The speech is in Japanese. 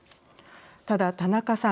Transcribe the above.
ただ田中さん